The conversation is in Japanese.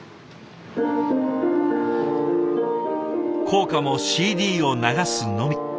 校歌もＣＤを流すのみ。